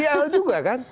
kl juga kan